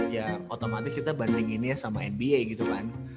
ya otomatis kita bandinginnya sama nba gitu kan